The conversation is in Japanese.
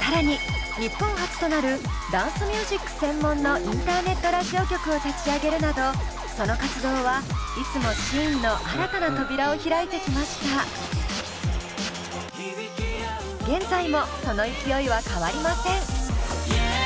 更に日本初となるダンスミュージック専門のインターネットラジオ局を立ち上げるなどその活動はいつも現在もその勢いは変わりません。